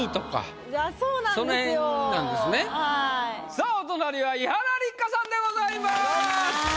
さあお隣は伊原六花さんでございます。